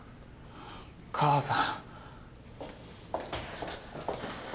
母さん。